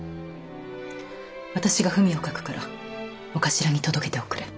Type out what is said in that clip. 私が文を書くからお頭に届けておくれ。